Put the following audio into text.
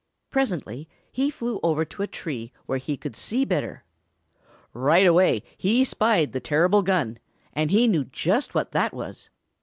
Presently he flew over to a tree where he could see better. Right away he spied the terrible gun, and he knew just what that was.